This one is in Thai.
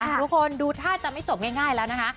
ทุกคนดูท่าจะไม่จบง่ายแล้วนะคะ